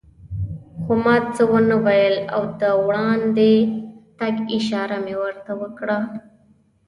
خو ما څه و نه ویل او د وړاندې تګ اشاره مې ورته وکړه.